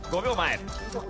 ５秒前。